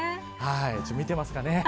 見てますかね。